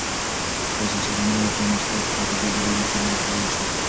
که تاسي سیاه دانه وخورئ نو ستاسو حافظه به ډېره تېزه او پیاوړې شي.